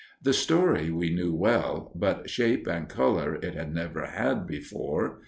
The story we knew well, but shape and color it had never had before.